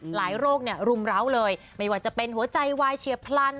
โรคเนี่ยรุมร้าวเลยไม่ว่าจะเป็นหัวใจวายเฉียบพลัน